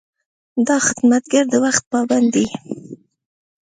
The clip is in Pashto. دا خدمتګر د وخت پابند دی.